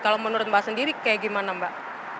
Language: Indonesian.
kalau menurut mbak sendiri kayak gimana mbak